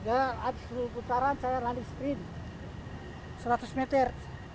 dan habis sepuluh putaran saya lari sprint seratus meter